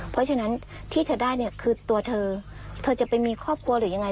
เพราะฉะนั้นที่เธอได้เนี่ยคือตัวเธอเธอจะไปมีครอบครัวหรือยังไง